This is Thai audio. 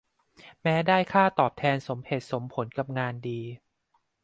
แม้ได้ค่าตอบแทนสมเหตุสมผลกับงานดี